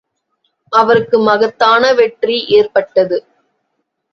அவருக்கு மகத்தான வெற்றி ஏற்பட்டது.